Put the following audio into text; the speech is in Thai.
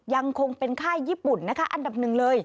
ยังคงเป็นค่ายญี่ปุ่นนะคะอันดับหนึ่งเลย